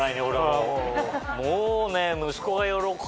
もうね。